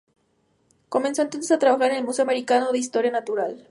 Comenzó entonces a trabajar en el Museo Americano de Historia Natural.